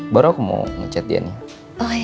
baru aku mau ngecet dia nih